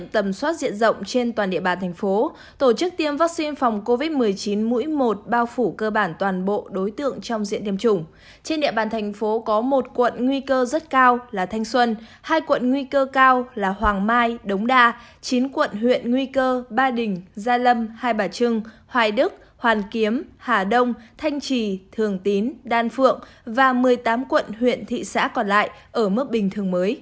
trên địa bàn thành phố có một quận nguy cơ rất cao là thanh xuân hai quận nguy cơ cao là hoàng mai đống đa chín quận huyện nguy cơ ba đình gia lâm hai bà trưng hoài đức hoàn kiếm hà đông thanh trì thường tín đan phượng và một mươi tám quận huyện thị xã còn lại ở mức bình thường mới